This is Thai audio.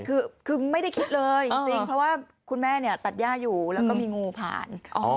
คือไม่ได้คิดเลยจริงเพราะว่าคุณแม่ตัดย่าอยู่แล้วก็มีงูผ่าน